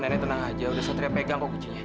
udah nenek tenang aja udah satria pegang kok kucinya